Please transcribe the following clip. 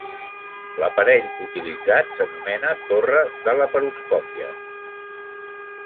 L'aparell utilitzat s'anomena torre de laparoscòpia.